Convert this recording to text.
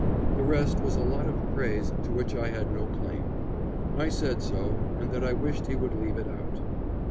The rest was a lot of praise to which I had no claim. I said so, and that I wished he would leave it out.